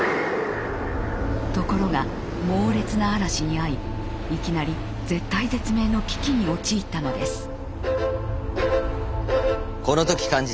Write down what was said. ところが猛烈な嵐に遭いいきなり絶体絶命の危機に陥ったのです。